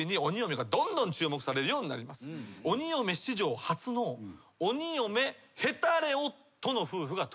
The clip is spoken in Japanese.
鬼嫁史上初の鬼嫁・ヘタレ夫の夫婦が登場します。